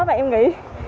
và em nghĩ